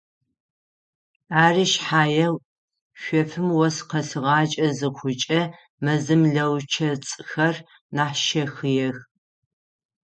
Ары шъхьае шъофым ос къесыгъакӏэ зыхъукӏэ мэзым лэучэцӏхэр нахь щэхъыех.